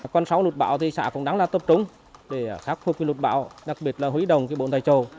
con sáu lụt bão thì xã cũng đáng là tập trung để khắc phục lụt bão đặc biệt là hủy đồng bộn tài trồ